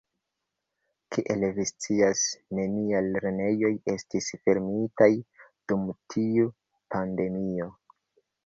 Kiel vi scias, niaj lernejoj estis fermitaj dum tiu pandemio.